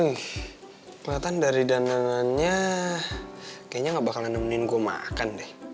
wih kelihatan dari dandanannya kayaknya gak bakalan nemenin gue makan deh